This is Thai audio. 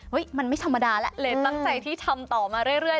มันไม่ธรรมดาแล้วเลยตั้งใจที่ทำต่อมาเรื่อย